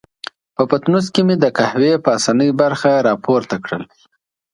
په پتنوس کې مې د قهوې پاسنۍ برخه را پورته کړل.